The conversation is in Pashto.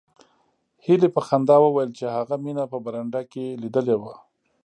هیلې په خندا وویل چې هغه مینه په برنډه کې لیدلې وه